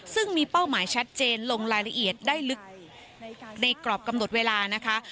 ซึ่งมีเป้าหมายชัดเจนลงรายละเอียดได้ลึกในกรอบกำหนดเวลานะคะ